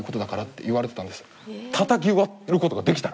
たたき割ることができたら？